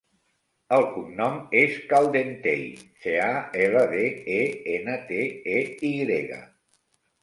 El cognom és Caldentey: ce, a, ela, de, e, ena, te, e, i grega.